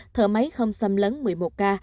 thở máy không xâm lấn một mươi một ca